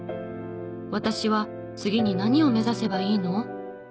「私は次に何を目指せばいいの？」